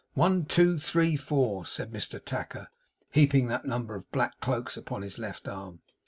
One, two, three, four,' said Mr Tacker, heaping that number of black cloaks upon his left arm.